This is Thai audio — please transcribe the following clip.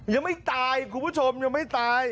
ยังไม่ตายคุณผู้ชมยังไม่ตาย